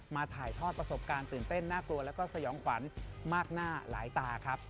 ถ่ายทอดประสบการณ์ตื่นเต้นน่ากลัวแล้วก็สยองขวัญมากหน้าหลายตาครับ